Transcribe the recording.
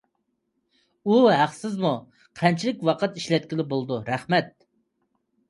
ئۇ ھەقسىزمۇ؟ قانچىلىك ۋاقىت ئىشلەتكىلى بولىدۇ؟ . رەھمەت!